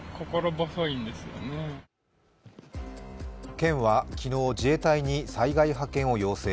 県は昨日、自衛隊に災害派遣を要請。